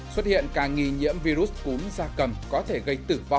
xuất hiện cả nghi nhiễm virus cún gia cầm có thể gây tử vong ở người